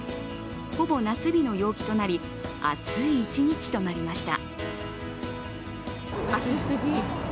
ほぼ夏日の陽気となり暑い一日となりました。